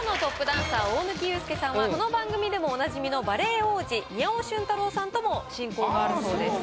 ダンサー大貫勇輔さんはこの番組でもおなじみのバレエ王子宮尾俊太郎さんとも親交があるそうです。